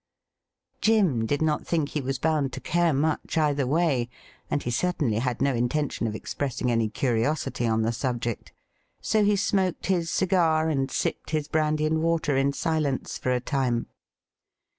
Jim did not think he was bound to care much either way, and he certainly had no intention of expressing any curiosity on the subject. So he smoked his cigar and sipped his brandy and water in silence for a time.